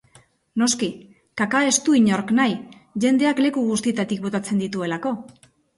Noski, kaka ez du inork nahi, jendeak leku guztietatik botatzen dituelako.